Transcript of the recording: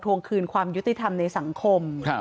วงคืนความยุติธรรมในสังคม